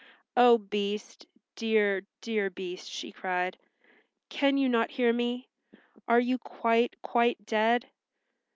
"Oh, Beast—dear, dear Beast," she cried, "can you not hear me? Are you quite, quite dead?"